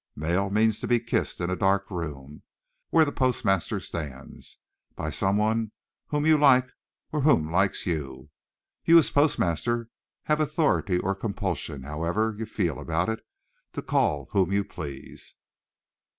Mail means to be kissed in a dark room (where the postmaster stands) by someone whom you like or who likes you. You, as postmaster, have authority or compulsion however you feel about it to call whom you please.